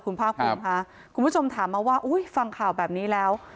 คุณพ่างค่ะคุณผู้ชมถามมาว่าฟังข่าวแบบนี้แล้ว